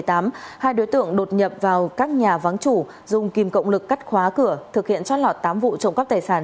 thuộc nhập vào các nhà vắng chủ dùng kìm cộng lực cắt khóa cửa thực hiện trót lọt tám vụ trộm cắp tài sản